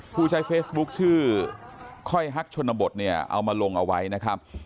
ผู้ใช้เฟซบุ๊คชื่อค่อยฮักชนบทเนี่ยเอามาลงเอาไว้นะครับ